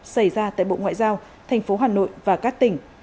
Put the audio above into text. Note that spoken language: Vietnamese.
xảy ra tại bộ ngoại giao thành phố hà nội và các tỉnh